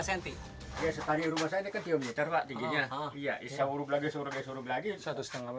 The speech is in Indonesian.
ini ada tinggi yang namanya